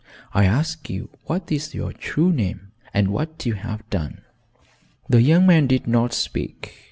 I ask you what is your true name and what you have done?" The young man did not speak.